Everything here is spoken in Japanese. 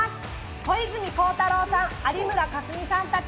小泉孝太郎さん、有村架純さんたち